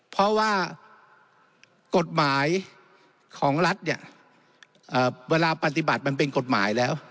เพราะว่ากฎหมายของรัฐเนี่ยเวลาปฏิบัติมันเป็นกฎหมายแล้ว